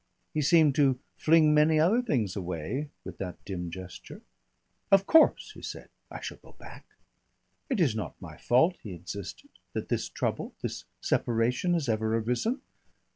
He seemed to fling many other things away with that dim gesture. "Of course," he said, "I shall go back. "It is not my fault," he insisted, "that this trouble, this separation, has ever arisen.